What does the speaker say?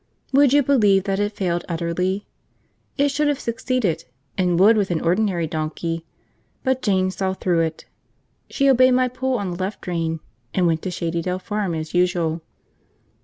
Would you believe that it failed utterly? It should have succeeded, and would with an ordinary donkey, but Jane saw through it. She obeyed my pull on the left rein, and went to Shady Dell Farm as usual.